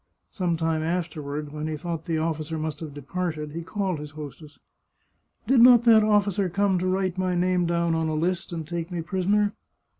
Some time afterward, when he thought the officer must have departed, he called his hostess. " Did not that officer come to write my name down on a list and take me prisoner